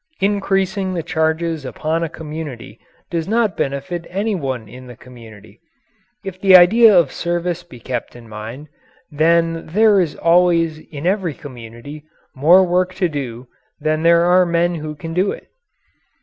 Increasing the charges upon a community does not benefit any one in the community. If the idea of service be kept in mind, then there is always in every community more work to do than there are men who can do it.